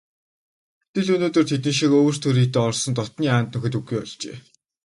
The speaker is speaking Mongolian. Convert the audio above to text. Гэтэл өнөөдөр тэдэн шиг өвөр түрийдээ орсон дотнын анд нөхөд үгүй болжээ.